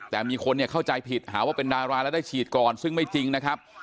แต่มีคนเข้าใจผิดหาว่าเป็นดาราแล้วได้ฉีดก่อนซึ่งไม่จริงนะครับ